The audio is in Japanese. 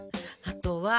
あとは。